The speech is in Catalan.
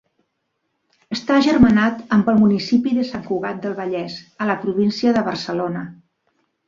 Està agermanat amb el municipi de Sant Cugat del Vallès, a la província de Barcelona.